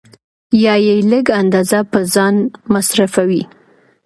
یا یې لږ اندازه په ځان مصرفوي